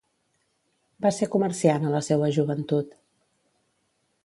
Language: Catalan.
Va ser comerciant a la seua joventut.